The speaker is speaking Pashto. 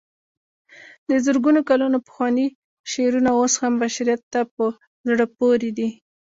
د زرګونو کلونو پخواني شعرونه اوس هم بشریت ته په زړه پورې دي.